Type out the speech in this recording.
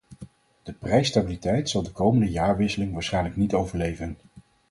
De prijsstabiliteit zal de komende jaarwisseling waarschijnlijk niet overleven.